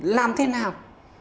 làm thế nào